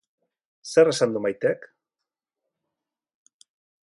Zer esan du Maitek?